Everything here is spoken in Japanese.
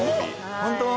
本当？